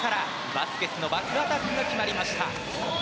バスケスのバックアタックが決まりました。